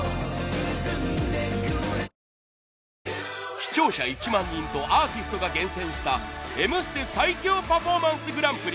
視聴者１万人とアーティストが厳選した『Ｍステ』最強パフォーマンスグランプリ